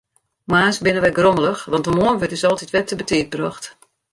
Moarns binne wy grommelich, want de moarn wurdt ús altyd wer te betiid brocht.